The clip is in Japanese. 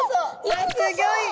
わすギョい！